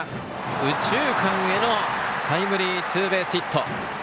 右中間へのタイムリーツーベースヒット。